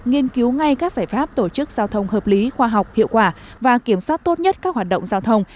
nghiên cứu ngay các giải pháp tổ chức giao thông hợp lý khoa học hiệu quả và kiểm soát tốt nhất các hoạt động giao thông